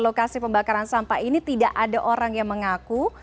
lokasi pembakaran sampah ini tidak ada orang yang mengaku